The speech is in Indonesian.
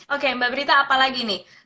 oke mbak berita apa lagi nih